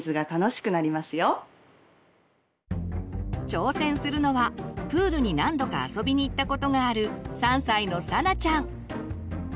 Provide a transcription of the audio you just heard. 挑戦するのはプールに何度か遊びに行ったことがある３歳のさなちゃん。